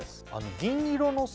銀色のさ